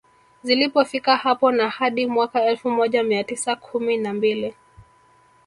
Zilizofika hapo na hadi mwaka elfu moja mia tisa kumi na mbili